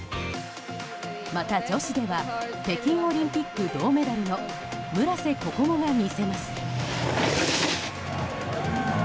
また、女子では北京オリンピック銅メダルの村瀬心椛が見せます。